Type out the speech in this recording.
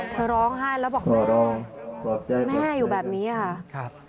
ร้องไห้แล้วบอกแม่อยู่แบบนี้ค่ะ